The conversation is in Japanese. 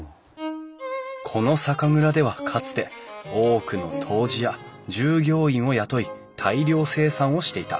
この酒蔵ではかつて多くの杜氏や従業員を雇い大量生産をしていた。